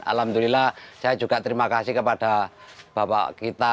alhamdulillah saya juga terima kasih kepada bapak kita